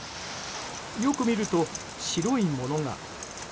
よく見ると、白いものが。